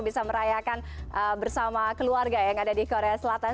bisa merayakan bersama keluarga yang ada di korea selatan